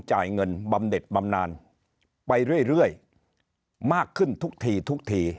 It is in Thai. จ่ายเงินบำเด็ดบำนานไปเรื่อยมากขึ้นทุกทีทุกที